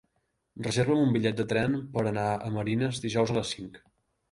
Reserva'm un bitllet de tren per anar a Marines dijous a les cinc.